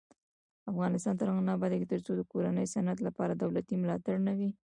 افغانستان تر هغو نه ابادیږي، ترڅو د کورني صنعت لپاره دولتي ملاتړ نه وي.